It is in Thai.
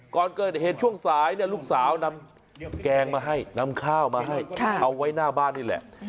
ก่อนเกิดเหตุช่วงสายลูกสาวนำแกงมาให้นำข้าวมาให้เอาไว้หน้าบ้านนี่แหละ